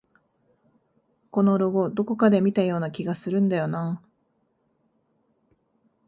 このロゴ、どこかで見たような気がするんだよなあ